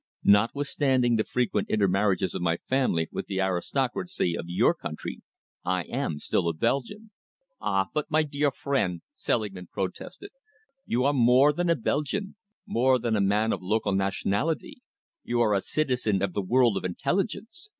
Notwithstanding the frequent intermarriages of my family with the aristocracy of your country, I am still a Belgian." "Ah! but, my dear friend," Selingman protested, "you are more than a Belgian, more than a man of local nationality. You are a citizen of the world of intelligence.